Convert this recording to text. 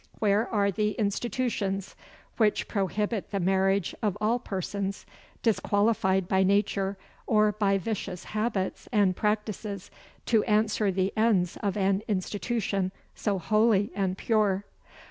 Where are the institutions which prohibit the marriage of all persons disqualified by nature, or by vicious habits and practices, to answer the ends of an institution so holy and pure?